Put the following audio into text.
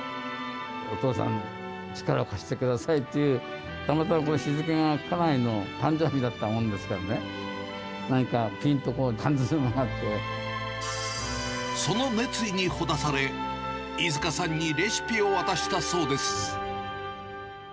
お父さん、力を貸してくださいっていう、たまたまこれ、日付が家内の誕生日だったもんですからね、何か、その熱意にほだされ、飯塚さんにレシピを渡したそうです。